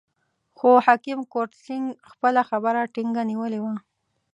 خو حکیم کرت سېنګ خپله خبره ټینګه نیولې وه.